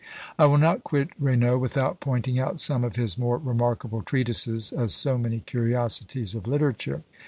I will not quit Raynaud without pointing out some of his more remarkable treatises, as so many curiosities of literature.